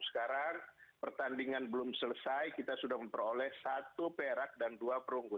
sekarang pertandingan belum selesai kita sudah memperoleh satu perak dan dua perunggu